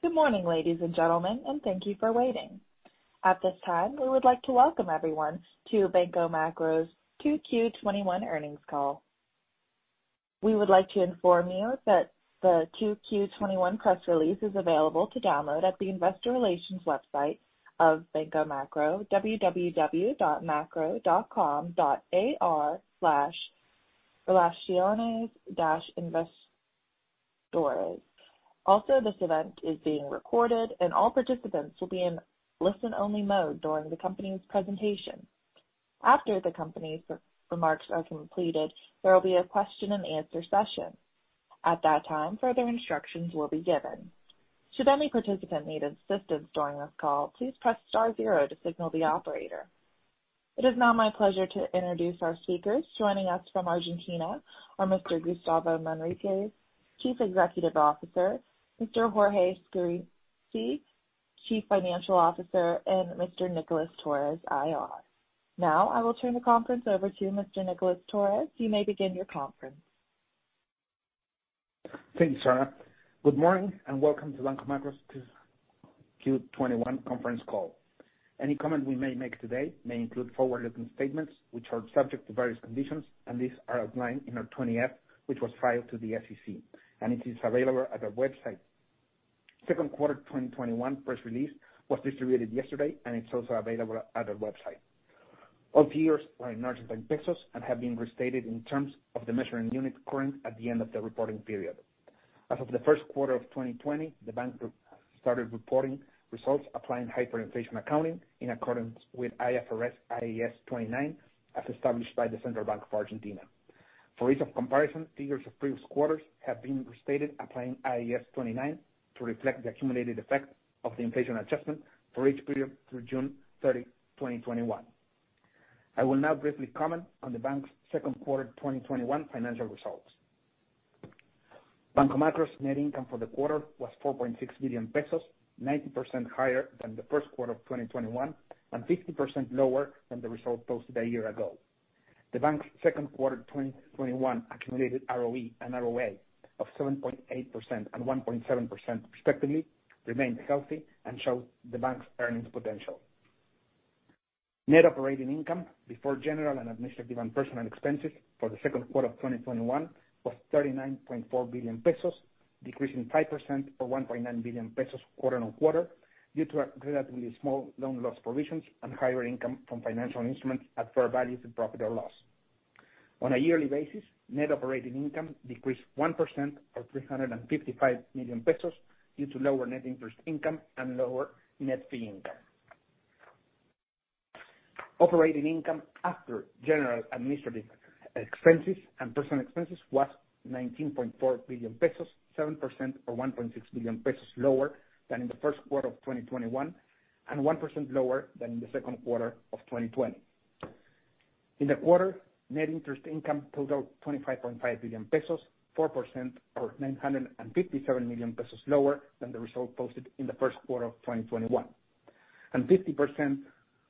Good morning, ladies and gentlemen, and thank you for waiting. At this time, we would like to welcome everyone to Banco Macro's 2Q '21 earnings call. We would like to inform you that the 2Q '21 press release is available to download at the investor relations website of Banco Macro, www.macro.com.ar/relaciones-inversores. This event is being recorded, and all participants will be in listen-only mode during the company's presentation. After the company's remarks are completed, there will be a question and answer session. At that time, further instructions will be given. Should any participant need assistance during this call, please press star zero to signal the operator. It is now my pleasure to introduce our speakers. Joining us from Argentina are Mr. Gustavo Manriquez, Chief Executive Officer, Mr. Jorge Scarinci, Chief Financial Officer, and Mr. Nicolás Torres, IR. I will turn the conference over to Mr. Nicolás Torres. You may begin your conference. Thank you, Sarah. Good morning, welcome to Banco Macro's 2Q 2021 conference call. Any comment we may make today may include forward-looking statements which are subject to various conditions. These are outlined in our 20-F, which was filed to the SEC. It is available at our website. Second quarter 2021 press release was distributed yesterday. It's also available at our website. All figures are in Argentine pesos and have been restated in terms of the measuring unit current at the end of the reporting period. As of the first quarter of 2020, the bank started reporting results applying hyperinflation accounting in accordance with IFRS, IAS 29, as established by the Central Bank of Argentina. For ease of comparison, figures of previous quarters have been restated applying IAS 29 to reflect the accumulated effect of the inflation adjustment for each period through June 30, 2021. I will now briefly comment on the bank's second quarter 2021 financial results. Banco Macro's net income for the quarter was 4.6 billion pesos, 90% higher than the first quarter of 2021 and 50% lower than the result posted a year ago. The bank's second quarter 2021 accumulated ROE and ROA of 7.8% and 1.7%, respectively, remain healthy and show the bank's earnings potential. Net operating income before general and administrative and personnel expenses for the second quarter of 2021 was 39.4 billion pesos, decreasing 5% or 1.9 billion pesos quarter-on-quarter, due to a relatively small loan loss provisions and higher income from financial instruments at fair values through profit or loss. On a yearly basis, net operating income decreased 1% or 355 million pesos due to lower net interest income and lower net fee income. Operating income after general administrative expenses and personnel expenses was 19.4 billion pesos, 7% or 1.6 billion pesos lower than in the first quarter of 2021, and 1% lower than in the second quarter of 2020. In the quarter, net interest income totaled 25.5 billion pesos, 4% or 957 million pesos lower than the result posted in the first quarter of 2021, and 50%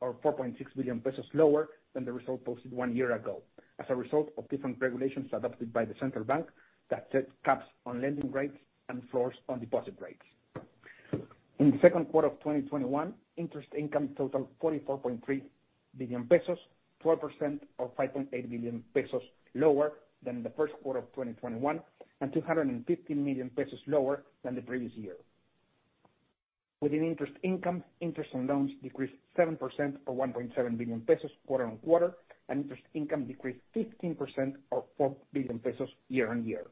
or 4.6 billion pesos lower than the result posted one year ago as a result of different regulations adopted by the Central Bank that set caps on lending rates and floors on deposit rates. In the second quarter of 2021, interest income totaled 44.3 billion pesos, 12% or 5.8 billion pesos lower than in the first quarter of 2021, and 250 million pesos lower than the previous year. Within interest income, interest on loans decreased 7% or 1.7 billion pesos quarter-on-quarter, and interest income decreased 15% or 4 billion pesos year-over-year.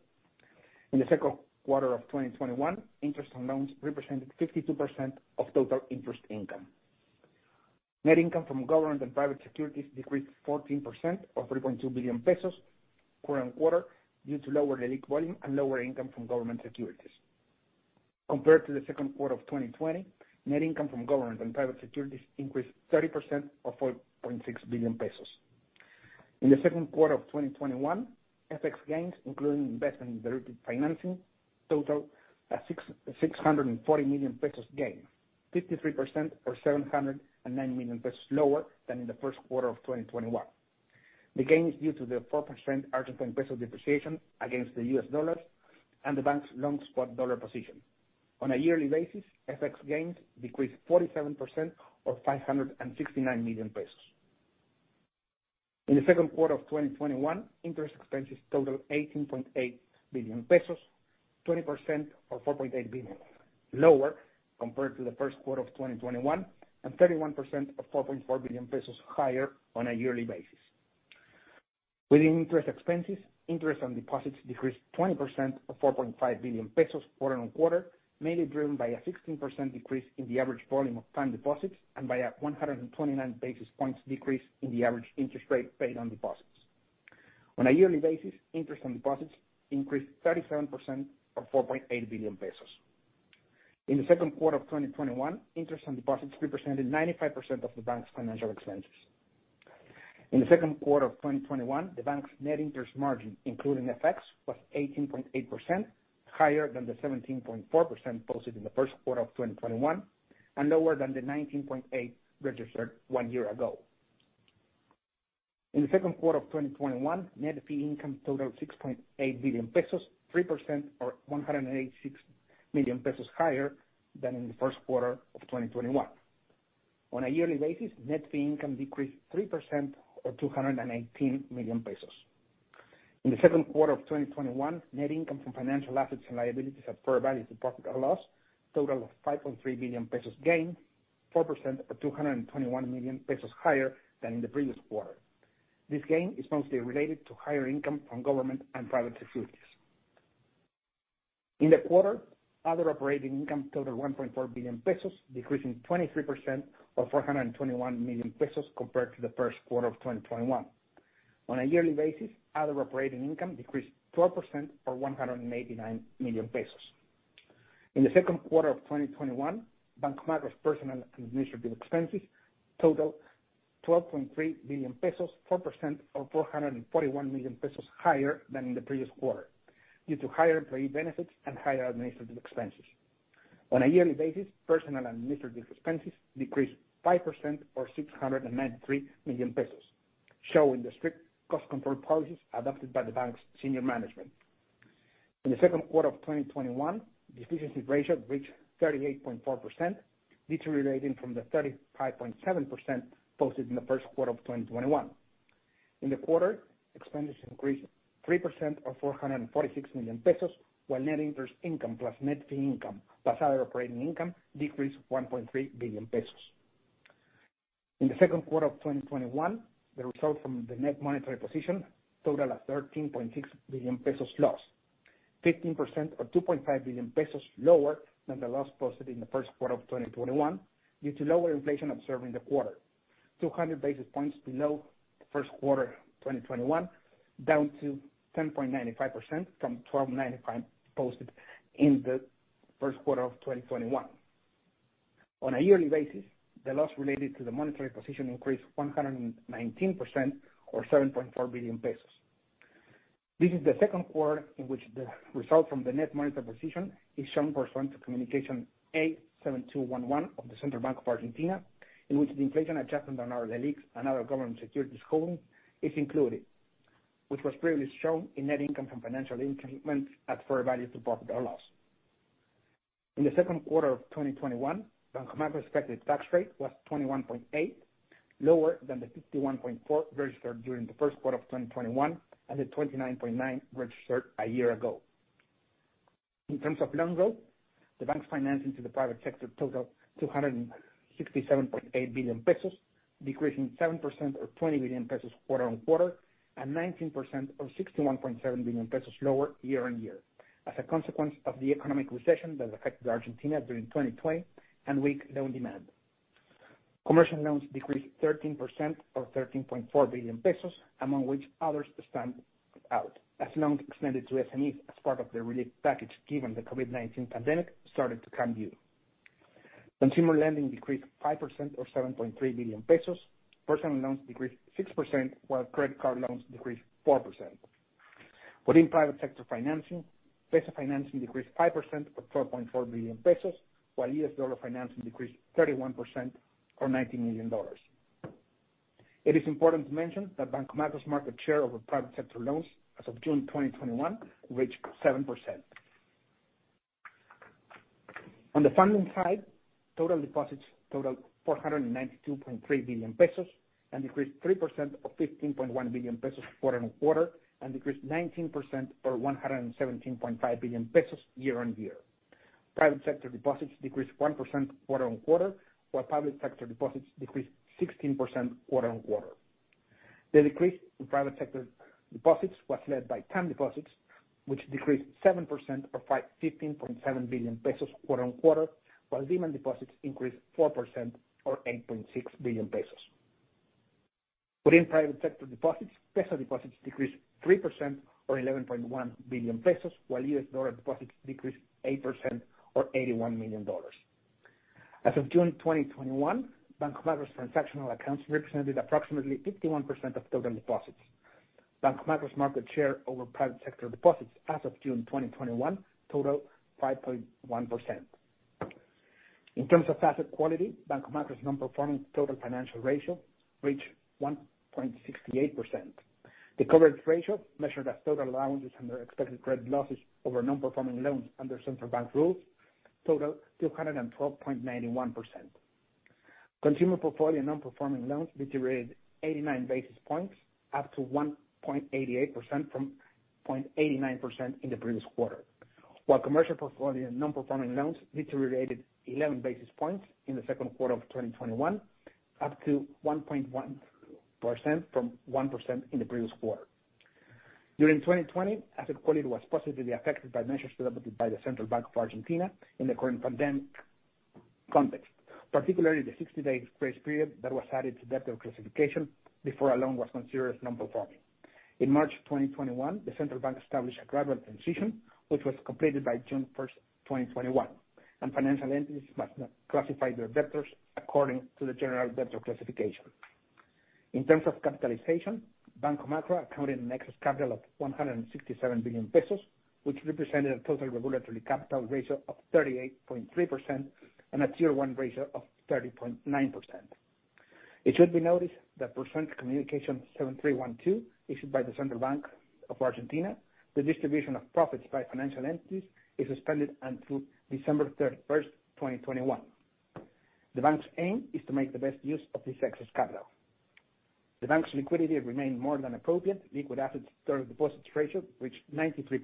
In the second quarter of 2021, interest on loans represented 52% of total interest income. Net income from government and private securities decreased 14% or 3.2 billion pesos quarter-on-quarter, due to lower Leliq volume and lower income from government securities. Compared to the second quarter of 2020, net income from government and private securities increased 30% or 4.6 billion pesos. In the second quarter of 2021, FX gains, including investment in derivative financing, total at 640 million pesos gain, 53% or 709 million pesos lower than in the first quarter of 2021. The gain is due to the 4% Argentine peso depreciation against the US dollar and the bank's long spot dollar position. On a yearly basis, FX gains decreased 47% or 569 million pesos. In the second quarter of 2021, interest expenses totaled 18.8 billion pesos, 20% or 4.8 billion lower compared to the first quarter of 2021, and 31% or 4.4 billion pesos higher on a yearly basis. Within interest expenses, interest on deposits decreased 20% or 4.5 billion pesos quarter on quarter, mainly driven by a 16% decrease in the average volume of time deposits and by a 129 basis points decrease in the average interest rate paid on deposits. On a yearly basis, interest on deposits increased 37% or 4.8 billion pesos. In the second quarter of 2021, interest on deposits represented 95% of the bank's financial expenses. In the second quarter of 2021, the bank's net interest margin, including FX, was 18.8%, higher than the 17.4% posted in the first quarter of 2021, and lower than the 19.8% registered one year ago. In the second quarter of 2021, net fee income totaled 6.8 billion pesos, 3% or 186 million pesos higher than in the first quarter of 2021. On a yearly basis, net fee income decreased 3% or 218 million pesos. In the second quarter of 2021, net income from financial assets and liabilities at fair values through profit or loss, total of 5.3 million pesos gain, 4% or 221 million pesos higher than in the previous quarter. This gain is mostly related to higher income from government and private securities. In the quarter, other operating income totaled 1.4 billion pesos, decreasing 23% or 421 million pesos compared to the first quarter of 2021. On a yearly basis, other operating income decreased 12% or 189 million pesos. In the second quarter of 2021, Banco Macro's personnel administrative expenses totaled 12.3 billion pesos, 4% or 441 million pesos higher than in the previous quarter, due to higher employee benefits and higher administrative expenses. On a yearly basis, personnel administrative expenses decreased 5% or 693 million pesos, showing the strict cost control policies adopted by the bank's senior management. In the second quarter of 2021, the efficiency ratio reached 38.4%, deteriorating from the 35.7% posted in the first quarter of 2021. In the quarter, expenses increased 3% or 446 million pesos, while net interest income, plus net fee income, plus other operating income decreased 1.3 billion pesos. In the second quarter of 2021, the result from the net monetary position totaled at 13.6 billion pesos loss, 15% or 2.5 billion pesos lower than the loss posted in the first quarter of 2021 due to lower inflation observed in the quarter, 200 basis points below the first quarter 2021, down to 10.95% from 12.95% posted in the first quarter of 2021. On a yearly basis, the loss related to the monetary position increased 119% or 7.4 billion pesos. This is the second quarter in which the result from the net monetary position is shown pursuant to Communication "A" 7211 of the Central Bank of Argentina, in which the inflation adjustment on our Leliqs and other government securities holding is included, which was previously shown in net income from financial instruments at fair value through profit or loss. In the second quarter of 2021, Banco Macro's effective tax rate was 21.8%, lower than the 51.4% registered during the first quarter of 2021, and the 29.9% registered a year ago. In terms of loan growth, the bank's financing to the private sector totaled 267.8 billion pesos, decreasing 7% or 20 billion pesos quarter-on-quarter, and 19% or 61.7 billion pesos lower year-on-year, as a consequence of the economic recession that affected Argentina during 2020 and weak loan demand. Commercial loans decreased 13% or 13.4 billion pesos, among which others stand out, as loans extended to SMEs as part of their relief package given the COVID-19 pandemic started to come due. Consumer lending decreased 5% or 7.3 billion pesos. Personal loans decreased 6%, while credit card loans decreased 4%. Within private sector financing, peso financing decreased 5% or 12.4 billion pesos, while US dollar financing decreased 31% or $90 million. It is important to mention that Banco Macro's market share over private sector loans as of June 2021 reached 7%. On the funding side, total deposits totaled 492.3 billion pesos, and decreased 3% or 15.1 billion pesos quarter-on-quarter, and decreased 19% or 117.5 billion pesos year-on-year. Private sector deposits decreased 1% quarter on quarter, while public sector deposits decreased 16% quarter on quarter. The decrease in private sector deposits was led by term deposits, which decreased 7% or 15.7 billion pesos quarter on quarter, while demand deposits increased 4% or 8.6 billion pesos. Within private sector deposits, peso deposits decreased 3% or 11.1 billion pesos, while US dollar deposits decreased 8% or $81 million. As of June 2021, Banco Macro's transactional accounts represented approximately 51% of total deposits. Banco Macro's market share over private sector deposits as of June 2021 totaled 5.1%. In terms of asset quality, Banco Macro's non-performing total financial ratio reached 1.68%. The coverage ratio, measured as total allowances under expected credit losses over non-performing loans under Central Bank rules, totaled 212.91%. Consumer portfolio non-performing loans deteriorated 89 basis points, up to 1.88% from 0.89% in the previous quarter. While commercial portfolio non-performing loans deteriorated 11 basis points in the second quarter of 2021, up to 1.1% from 1% in the previous quarter. During 2020, asset quality was positively affected by measures developed by the Central Bank of Argentina in the current pandemic context, particularly the 60-day grace period that was added to debtor classification before a loan was considered non-performing. In March 2021, the Central Bank established a gradual transition, which was completed by June 1st, 2021. Financial entities must now classify their debtors according to the general debtor classification. In terms of capitalization, Banco Macro accounted an excess capital of 167 billion pesos, which represented a total regulatory capital ratio of 38.3% and a Tier 1 ratio of 30.9%. It should be noticed that pursuant to Communication A 7312, issued by the Central Bank of Argentina, the distribution of profits by financial entities is suspended until December 31st, 2021. The bank's aim is to make the best use of this excess capital. The bank's liquidity remained more than appropriate. Liquid assets to deposits ratio reached 93%.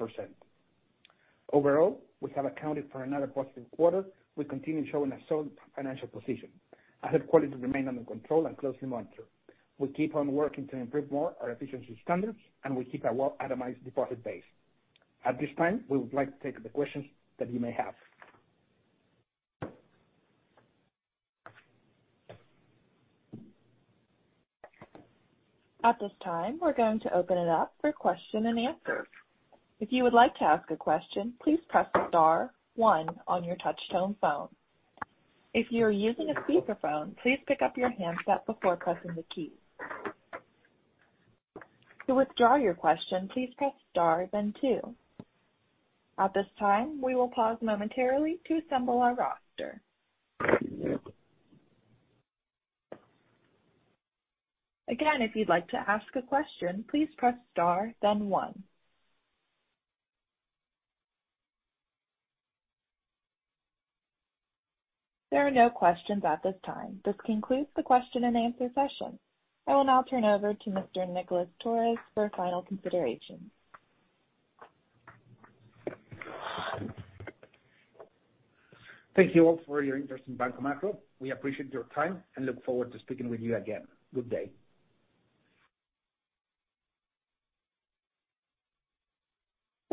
Overall, we have accounted for another positive quarter. We continue showing a sound financial position. Asset quality remained under control and closely monitored. We keep on working to improve more our efficiency standards, and we keep a well-atomized deposit base. At this time, we would like to take the questions that you may have. At this time, we're going to open it up for question and answer. If you would like to ask a question, please press star one on your touch-tone phone. If you are using a speakerphone, please pick up your handset before pressing the key. To withdraw your question, please press star, then two. At this time, we will pause momentarily to assemble our roster. Again, if you'd like to ask a question, please press star, then one. There are no questions at this time. This concludes the question and answer session. I will now turn over to Mr. Nicolás Torres for final considerations. Thank you all for your interest in Banco Macro. We appreciate your time and look forward to speaking with you again. Good day.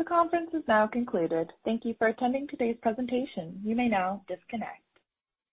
The conference is now concluded. Thank you for attending today's presentation. You may now disconnect.